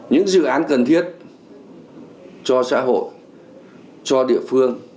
những dự án cần thiết cho xã hội cho địa phương